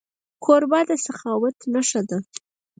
کوربه د سخاوت نښه ده.